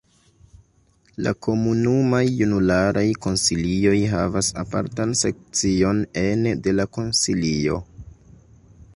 La komunumaj junularaj konsilioj havas apartan sekcion ene de la Konsilio.